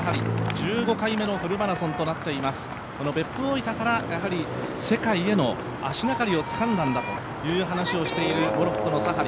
１５回目のフルマラソンとなっています、別府大分から世界への足がかりをつかんだんだという話をしているモロッコのサハリ。